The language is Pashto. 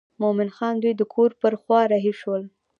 مومن خان دوی د کور پر خوا رهي شول.